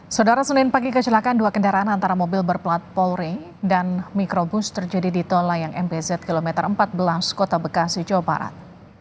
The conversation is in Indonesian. saudara senin pagi kecelakaan dua kendaraan antara mobil berplat polri dan mikrobus terjadi di tol layang mbz kilometer empat belas kota bekasi jawa barat